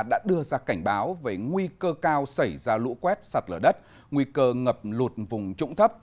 đã đưa ra cảnh báo về nguy cơ cao xảy ra lũ quét sạt lở đất nguy cơ ngập lụt vùng trũng thấp